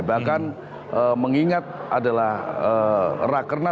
bahkan mengingat adalah rakernanya